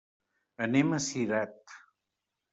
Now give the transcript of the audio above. Anem a Cirat.